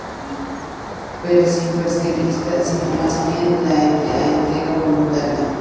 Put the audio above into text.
Pero sin perseguir la conquista, sino más bien la entrega voluntaria.